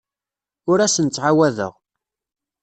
Ur asen-ttɛawadeɣ.